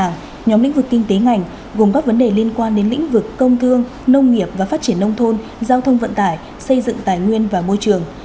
nhóm lĩnh vực kinh tế ngành gồm các vấn đề liên quan đến lĩnh vực công thương nông nghiệp và phát triển nông thôn giao thông vận tải xây dựng tài nguyên và môi trường